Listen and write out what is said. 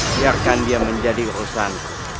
biarkan dia menjadi urusan